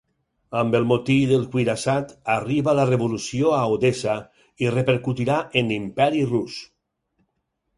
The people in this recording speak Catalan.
Amb el motí del cuirassat arriba la revolució a Odessa i repercutirà en l'Imperi rus.